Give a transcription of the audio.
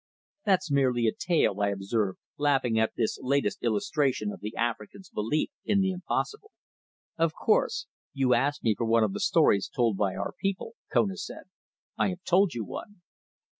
"That's merely a tale," I observed, laughing at this latest illustration of the African's belief in the impossible. "Of course. You asked me for one of the stories told by our people," Kona said. "I have told you one."